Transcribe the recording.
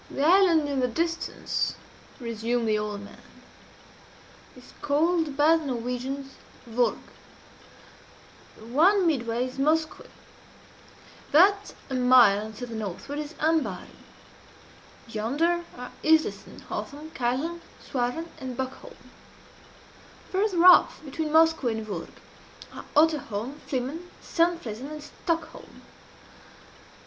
"The island in the distance," resumed the old man, "is called by the Norwegians Vurrgh. The one midway is Moskoe. That a mile to the northward is Ambaaren. Yonder are Iflesen, Hoeyholm, Kieldholm, Suarven, and Buckholm. Farther off between Moskoe and Vurrgh are Otterholm, Flimen, Sandflesen, and Skarholm.